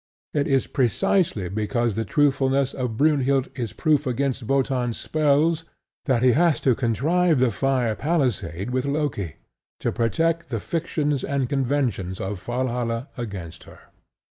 It is precisely because the truthfulness of Brynhild is proof against Wotan's spells that he has to contrive the fire palisade with Loki, to protect the fictions and conventions of Valhalla against her.